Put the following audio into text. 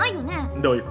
どういう事？